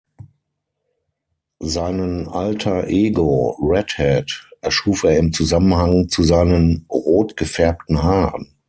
Seinen Alter Ego "Red Head" erschuf er im Zusammenhang zu seinen rot gefärbten Haaren.